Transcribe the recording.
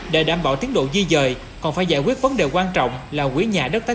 để đảm bảo tiến độ di dời còn phải giải quyết vấn đề quan trọng là quỹ nhà đất